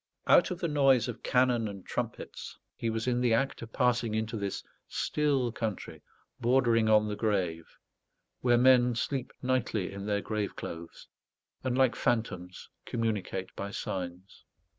Out of the noise of cannon and trumpets, he was in the act of passing into this still country bordering on the grave, where men sleep nightly in their grave clothes, and, like phantoms, communicate by signs.